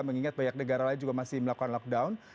mengingat banyak negara lain juga masih melakukan lockdown